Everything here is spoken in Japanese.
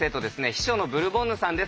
秘書のブルボンヌさんです。